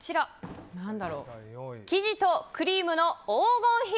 生地とクリームの黄金比。